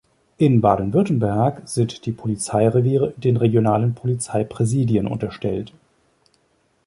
In Baden-Württemberg sind die Polizeireviere den regionalen Polizeipräsidien unterstellt.